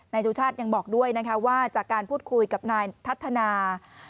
ชูชาติยังบอกด้วยนะคะว่าจากการพูดคุยกับนายทัศนา